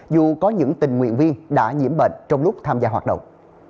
dù có những tình nguyện viên đã nhiễm bệnh trong lúc tham gia hoạt động